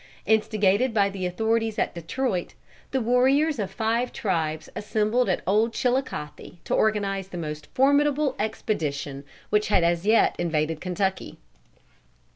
Instigated by the authorities at Detroit, the warriors of five tribes assembled at Old Chilicothe to organize the most formidable expedition which had as yet invaded Kentucky.